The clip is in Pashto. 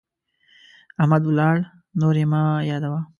احمد ولاړ، نور يې مه يادوه.